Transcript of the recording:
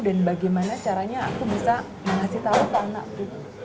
dan bagaimana caranya aku bisa mengasih tau ke anakku